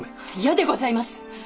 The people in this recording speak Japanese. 嫌でございます！